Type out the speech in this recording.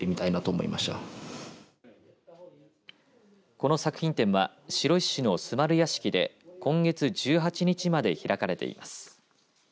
この作品展は白石市の壽丸屋敷で今月１８日まで開かれています。